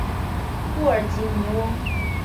布尔吉尼翁。